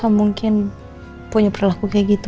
elsa mungkin punya berlaku kayak gitu